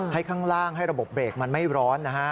ให้ข้างล่างให้ระบบเบรกมันไม่ร้อน